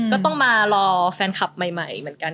ก็ต้องมารอแฟนคลับใหม่เหมือนกัน